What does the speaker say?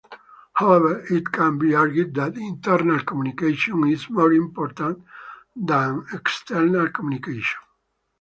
However, it can be argued that internal communication is more important than external communication.